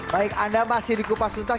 baik anda masih di kupas tuntas